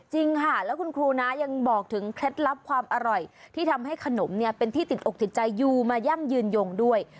จริงค่ะแล้วคุณครูนะยังบอกถึงเคล็ดลับความอร่อยที่ทำให้ขนมเนี่ยเป็นที่ติดอกติดใจยูมายั่งยืนยงด้วย